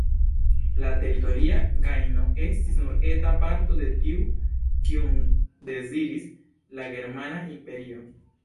La teritoria gajno estis nur eta parto de tiu, kiun deziris la germana imperio.